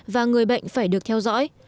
và người bệnh phải được theo dõi